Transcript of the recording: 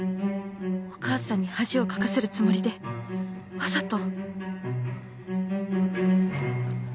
お母さんに恥をかかせるつもりでわざと